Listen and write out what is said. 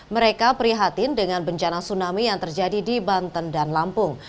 mereka prihatin dengan bencana tsunami yang terjadi di banten dan lampung